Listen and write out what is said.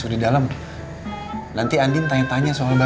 dia sangat indah